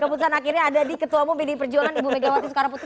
keputusan akhirnya ada di ketua pd perjuangan ibu megawati soekarnoputri